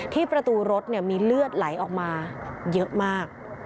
ประตูรถมีเลือดไหลออกมาเยอะมาก